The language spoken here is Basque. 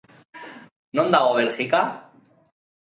Non dago Belgika?